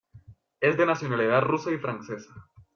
Es de nacionalidad rusa y francesa.